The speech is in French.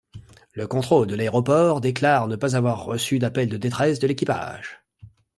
Le contrôle de l'aéroport déclare ne pas avoir reçu d'appel de détresse de l'équipage.